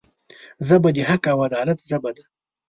ژبه د حق او عدالت ژبه ده